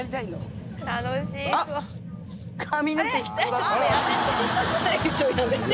ちょっとやめて！